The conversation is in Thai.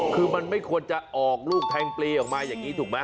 คือมันไม่ควรจะออกลูกแทงปลีออกมาอย่างนี้ถูกไหม